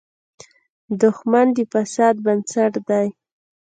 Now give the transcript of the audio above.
دښمن د فساد بنسټ دی